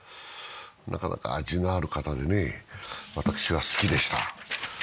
なかなか味のある方で、私は好きでした。